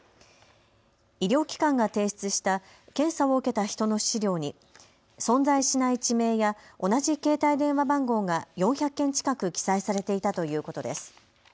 医療機関が提出した検査を受けた人の資料に存在しない地名や同じ携帯電話番号が４００件近く記載されていたということです。